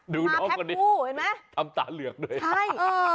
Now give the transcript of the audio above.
มาแพ็กผู้เห็นไหมโอ้โฮดูน้องกันนี่ทำตาเหลืองด้วย